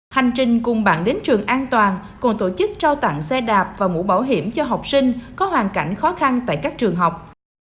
hành trình cùng bạn đến trường an toàn còn tổ chức trao tặng xe đạp và mũ bảo hiểm cho học sinh có hoàn cảnh khó khăn tại các trường học